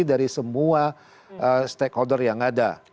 dari semua stakeholder yang ada